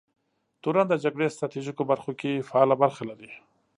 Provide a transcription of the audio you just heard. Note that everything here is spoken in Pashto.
تورن د جګړې ستراتیژیکو برخو کې فعاله برخه لري.